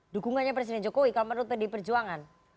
dukungannya presiden jokowi kalau menurut pdi perjuangan